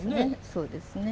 そうですね。